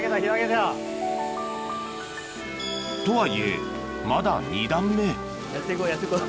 とはいえまだ２段目やってこうやってこう。